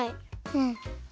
うん。